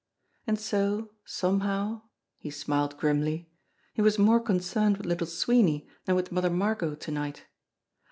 And so, somehow he smiled grimly he was more con cerned with Little Sweeney than with Mother Margot to night.